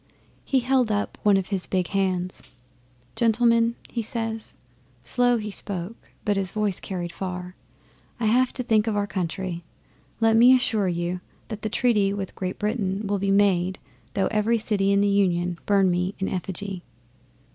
'He held up one of his big hands. "Gentlemen," he says slow he spoke, but his voice carried far "I have to think of our country. Let me assure you that the treaty with Great Britain will be made though every city in the Union burn me in effigy."